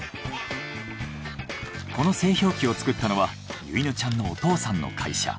この製氷機を作ったのはゆいのちゃんのお父さんの会社。